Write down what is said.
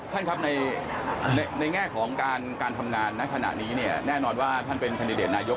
ท่านครับในแง่ของการทำงานณขณะนี้เนี่ยแน่นอนว่าท่านเป็นคันดิเดตนายก